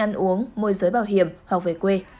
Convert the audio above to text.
ăn uống môi giới bảo hiểm hoặc về quê